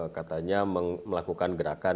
katanya melakukan gerakan